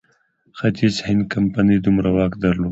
ختیځ هند کمپنۍ دومره واک درلود.